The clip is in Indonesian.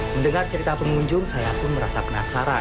mendengar cerita pengunjung saya pun merasa penasaran